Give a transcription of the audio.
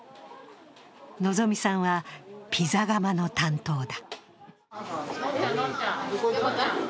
希さんは、ピザ窯の担当だ。